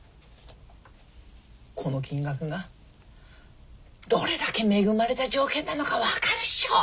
この金額がどれだけ恵まれた条件なのか分かるっしょ。